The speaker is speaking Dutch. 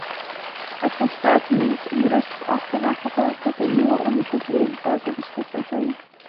Het volstaat niet om rustig af te wachten tot er nieuwe onderzoeksresultaten beschikbaar zijn.